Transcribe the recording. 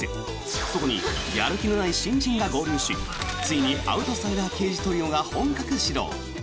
そこにやる気のない新人が合流しついにアウトサイダー刑事トリオが本格始動！